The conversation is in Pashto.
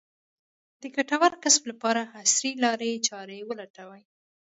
د ګټور کسب لپاره عصري لارې چارې ولټوي.